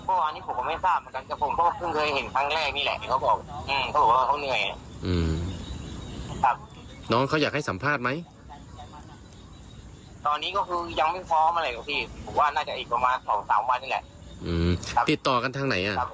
อ๋ออันนี้ผมคือไม่ทราบเหมือนกัน